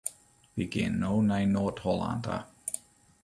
Wy gean no nei Noard-Hollân ta.